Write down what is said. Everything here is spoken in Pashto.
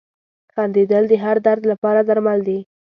• خندېدل د هر درد لپاره درمل دي.